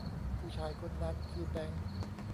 ผู้ชายคนนั้นคือแบงค์